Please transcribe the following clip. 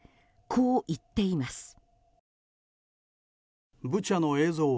こう言っています。